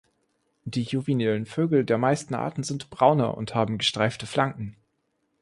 Die juvenilen Vögel der meisten Arten sind brauner und haben gestreifte Flanken.